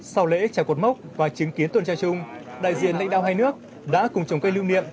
sau lễ trà cột mốc và chứng kiến tuần tra chung đại diện lãnh đạo hai nước đã cùng trồng cây lưu niệm